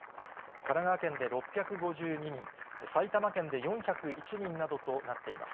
神奈川県で６５２人、埼玉県で４０１人などとなっています。